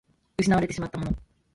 失われてしまったもの